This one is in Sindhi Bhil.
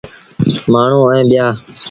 مآڻهوٚݩ ائيٚݩ پيآ۔